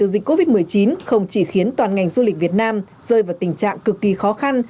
những tác động nặng nề từ dịch covid một mươi chín không chỉ khiến toàn ngành du lịch việt nam rơi vào tình trạng cực kỳ khó khăn